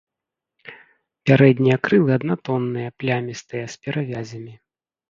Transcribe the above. Пярэднія крылы аднатонныя, плямістыя, з перавязямі.